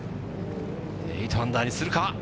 ８アンダーにするか。